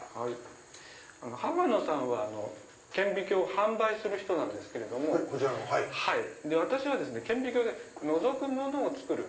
浜野さんは顕微鏡を販売する人なんですけれども私は顕微鏡でのぞくものを作る。